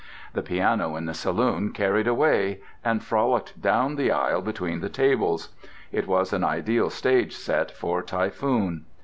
The piano in the saloon carried away, and frolicked down the aisle between the tables: it was an ideal stage set for "Typhoon."